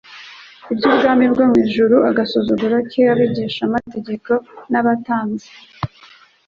iby'ubwami bwo mu ijuru. Agasuzuguro k'abigishamategeko n'abatambyi